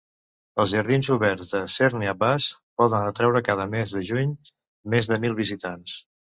Els jardins oberts de Cerne Abbas poden atraure cada mes de juny més de mil visitants.